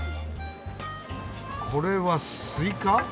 これはスイカ？